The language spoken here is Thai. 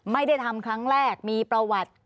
ไม่ได้ทำครั้งแรกมีประวัติ